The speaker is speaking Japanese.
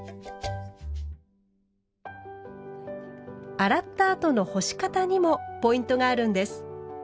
洗ったあとの干し方にもポイントがあるんです。